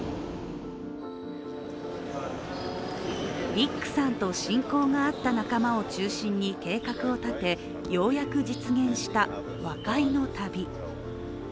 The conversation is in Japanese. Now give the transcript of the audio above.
ディックさんと親交があった仲間を中心に計画を立て、ようやく実現した和解の旅。